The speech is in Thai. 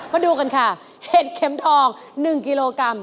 มาดูกันค่ะเห็ดเข็มทอง๑กิโลกรัม